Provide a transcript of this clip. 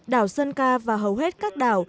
đảo sơn ca và hầu hết các đảo